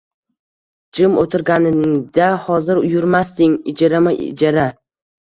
Jim o`tirganingda hozir yurmasding ijarama-ijara